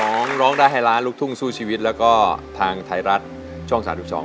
ร้องได้ให้ล้านลูกทุ่งสู้ชีวิตแล้วก็ทางไทยรัฐช่องสามสิบสอง